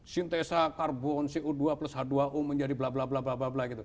sintesa karbon co dua plus h dua o menjadi bla bla bla bla bla bla gitu